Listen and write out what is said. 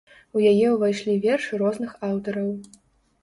У яе ўвайшлі вершы розных аўтараў.